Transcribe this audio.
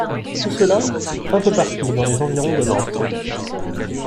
Où cela ? Un peu partout, dans les environs de Nantes.